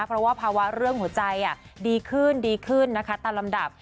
เพราะว่าภาวะเรื่องหัวใจดีขึ้นตามลำดับ